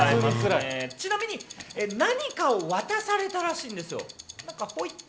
ちなみに何かを渡されたらしいんですよ。